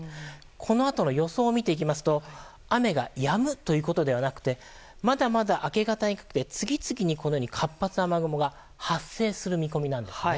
このあとの予想を見ていきますと雨がやむということではなくてまだまだ明け方にかけて、次々に活発な雨雲が発生する見込みなんです。